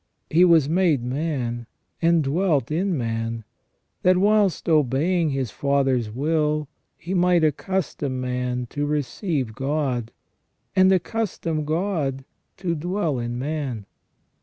He was made man, and dwelt in man, that whilst obeying His Father's will he might accustom man to receive God, and accustom God to dwell in man.